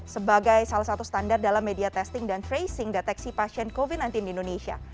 sebagai salah satu standar dalam media testing dan tracing deteksi pasien covid sembilan belas di indonesia